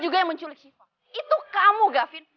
dia menculik siva itu kamu gavin